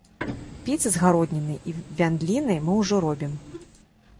Піцы з гароднінай і вяндлінай мы ўжо робім.